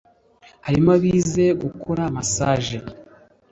harimo abize gukora massage